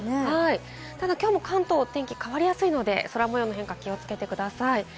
ただきょうも関東、天気変わりやすいので空模様の変化に気をつけてください。